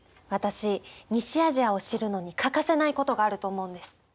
私「西アジア」を知るのに欠かせないことがあると思うんです。